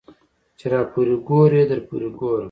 ـ چې راپورې ګورې درپورې ګورم.